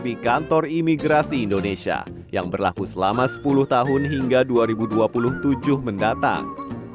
di kantor imigrasi indonesia yang berlaku selama sepuluh tahun hingga dua ribu dua puluh tujuh mendatang